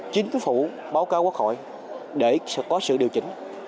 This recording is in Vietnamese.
chính phủ báo cáo quốc hội để có sự điều chỉnh